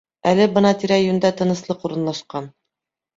Әле бына тирә-йүндә тыныслыҡ урынлашҡан.